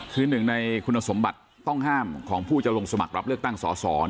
คือหนึ่งในคุณสมบัติต้องห้ามของผู้จะลงสมัครรับเลือกตั้งสอสอ